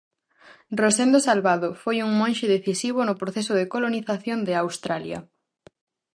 Rosendo Salvado foi un monxe decisivo no proceso de colonización de Australia.